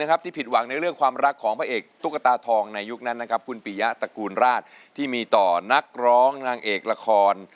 คุณปียะตระกูลราชที่มีต่อนักร้องนางเอกละคร